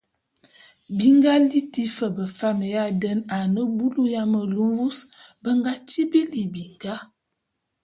Bi nga liti fe befam ya den a ne bulu ya melu mvus be nga tibili binga.